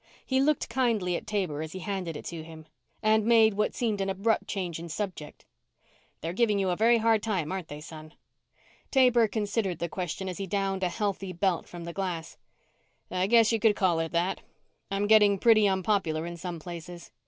He looked kindly at Taber as he handed it to him, and made what seemed an abrupt change in subject. "They're giving you a very hard time, aren't they, son?" Taber considered the question as he downed a healthy belt from the glass. "I guess you could call it that. I'm getting pretty unpopular in some places.